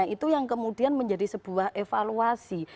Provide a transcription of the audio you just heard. itu yang kemudian menjadi sebuah evaluasi